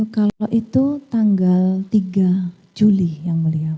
kalau itu tanggal tiga juli yang mulia